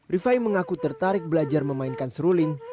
rifai mengaku tertarik belajar memainkan seruling